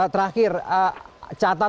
sekali harap carbon